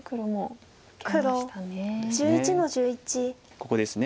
ここですね。